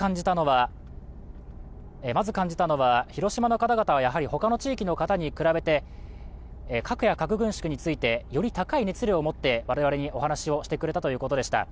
まず感じたのは広島の方々はやはり他の地域の方に比べて核や核軍縮について、より高い熱量を持って我々にお話をしてくれたということでした。